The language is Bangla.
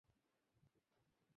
অন্তত কেউ আহত হননি।